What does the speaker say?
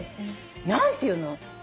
何ていうの？